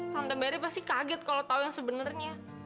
tante merry pasti kaget kalo tau yang sebenernya